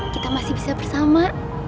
kita masih bisa bersama